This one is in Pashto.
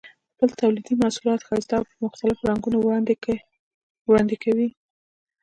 خپل تولیدي محصولات ښایسته او په مختلفو رنګونو وړاندې کوي.